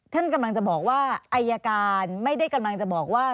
ท่านกำลังจะบอกว่าอายการไม่ได้กำลังจะบอกว่า